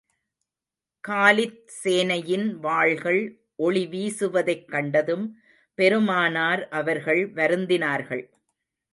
Khalid சேனையின் வாள்கள் ஒளி வீசுவதைக் கண்டதும், பெருமானார் அவர்கள் வருந்தினார்கள்.